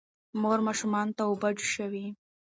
مور ماشومانو ته اوبه جوشوي.